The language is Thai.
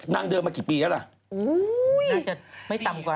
นังเดินมากี่ปีแล้วล่ะ